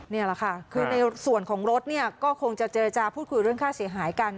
นี่แหละค่ะคือในส่วนของรถเนี่ยก็คงจะเจรจาพูดคุยเรื่องค่าเสียหายกัน